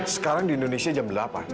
sekarang di indonesia jam delapan